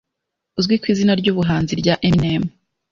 uzwi ku izina ry’ubuhanzi rya Eminem